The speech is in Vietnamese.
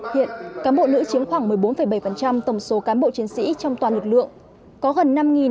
hiện cán bộ nữ chiếm khoảng một mươi bốn bảy tổng số cán bộ chiến sĩ trong toàn lực lượng có gần